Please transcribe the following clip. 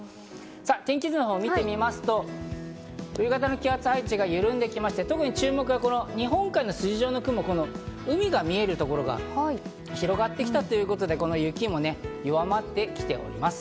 天気図を見てみますと、冬型の気圧配置が緩んできまして、特に注目は日本海側の筋状の雲、海が見えるところが広がってきたということで、雪も弱まってきております。